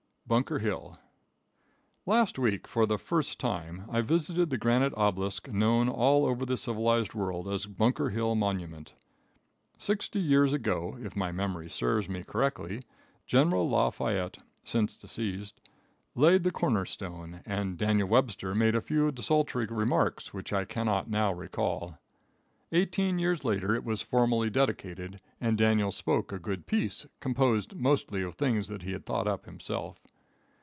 Bunker Hill. Last week for the first time I visited the granite obelisk known all over the civilized world as Bunker Hill monument. Sixty years ago, if my memory serves me correctly. General La Fayette, since deceased, laid the corner stone, and Daniel Webster made a few desultory remarks which I cannot now recall. Eighteen years later it was formally dedicated, and Daniel spoke a good piece, composed mostly of things that he had thought up himself.